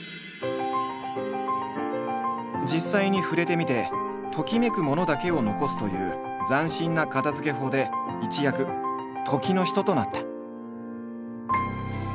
実際に触れてみて「ときめく物」だけを残すという斬新な片づけ法で一躍時の人となった。